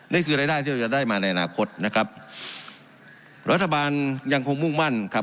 นี่คือรายได้ที่เราจะได้มาในอนาคตนะครับรัฐบาลยังคงมุ่งมั่นครับ